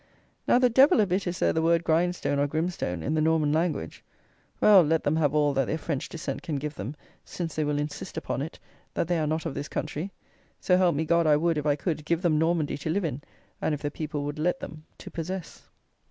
Now, the devil a bit is there the word Grindstone, or Grimstone, in the Norman language. Well, let them have all that their French descent can give them, since they will insist upon it, that they are not of this country. So help me God, I would, if I could, give them Normandy to live in, and, if the people would let them, to possess.